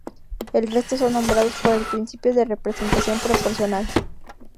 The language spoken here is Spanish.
El resto son nombrados por el principio de representación proporcional.